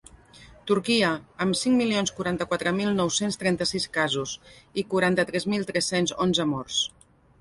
Turquia, amb cinc milions quaranta-quatre mil nou-cents trenta-sis casos i quaranta-tres mil tres-cents onze morts.